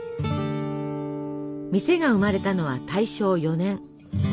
店が生まれたのは大正４年。